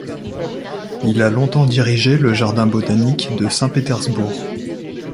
Il a longtemps dirigé le jardin botanique de Saint-Pétersbourg.